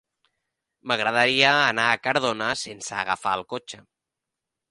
M'agradaria anar a Cardona sense agafar el cotxe.